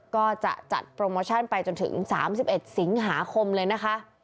ก็จะจัดโปรโมชั่นไปจนถึง๓๑สิงหาคมเลยนะคะ